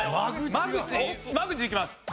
間口いきます。